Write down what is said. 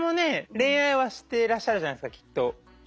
恋愛はしてらっしゃるじゃないですかきっと。